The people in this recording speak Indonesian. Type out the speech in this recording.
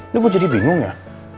ini gue jadi bingung ya